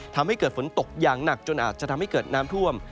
ทำให้เกิดฝนตกอย่างหนักจนอาจจะทำให้เกิดน้ำท่วม